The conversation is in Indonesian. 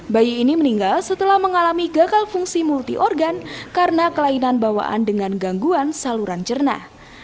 bayi ini meninggal setelah mengalami gagal fungsi multi organ karena kelainan bawaan dengan gangguan saluran cerna